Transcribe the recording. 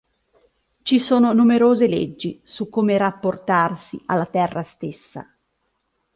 Ci sono numerose leggi su come rapportarsi alla Terra stessa.